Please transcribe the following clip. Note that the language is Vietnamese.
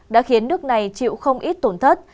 đã khiến nước này chịu không ít tổn thất